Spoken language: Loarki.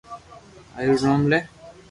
ھري رو نوم لي